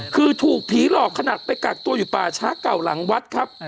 คือถูกผีหลอกขนาดไปกักตัวอยู่ป่าช้าเก่าหลังวัดครับ